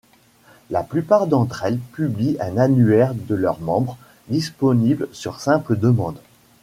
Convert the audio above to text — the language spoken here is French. La plupart d'entre elles publient un annuaire de leurs membres, disponible sur simple demande.